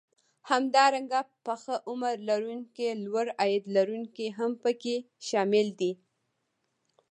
همدارنګه پخه عمر لرونکي لوړ عاید لرونکي هم پکې شامل دي